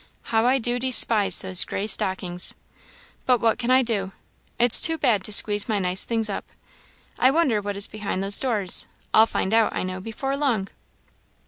How I do despise those gray stockings! But what can I do? it's too bad to squeeze my nice things up so. I wonder what is behind those doors? I'll find out, I know, before long."